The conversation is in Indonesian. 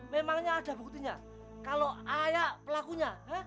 memangnya ada buktinya kalau ayah pelakunya